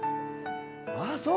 ああそう。